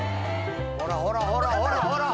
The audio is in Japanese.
ほらほらほらほら。